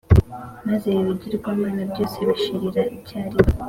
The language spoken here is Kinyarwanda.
maze ibigirwamana byose bishirire icyarimwe.